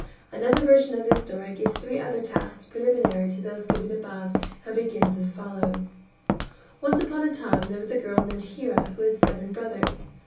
Another version of this story gives three other tasks preliminary to those given above and begins as follows: Once upon a time there was a girl named Hira who had seven brothers.